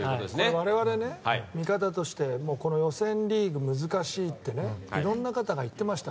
我々、見方として予選リーグ難しいっていろんな方が言っていました。